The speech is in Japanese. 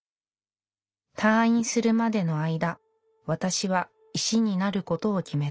「退院するまでの間私は石になることを決めた」。